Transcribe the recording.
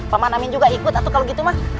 paman amin juga ikut atau kalau gitu mas